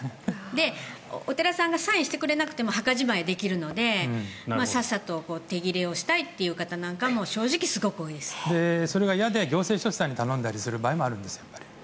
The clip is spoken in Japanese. お寺さんがサインしてくれなくても墓じまいできるのでさっさと手切れをしたいという方なんかはそれが嫌で行政書士さんに頼んだりする場合もあるんですよ。